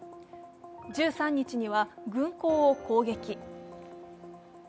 １３日には軍港を攻撃。